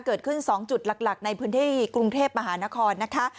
เกิดขึ้น๒จุดหลักในพื้นที่กรุงเทพมหานครนะคะ